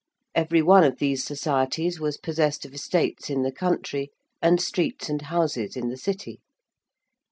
Every one of these Societies was possessed of estates in the country and streets and houses in the City.